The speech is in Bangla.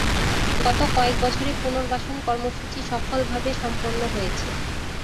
গত কয়েক বছরে পুনর্বাসন কর্মসূচি সফলভাবে সম্পন্ন হয়েছে।